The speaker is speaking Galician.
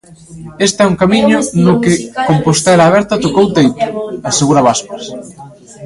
Este é un camiño no que "Compostela Aberta tocou teito", asegura Bascuas.